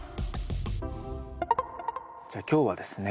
じゃあ今日はですね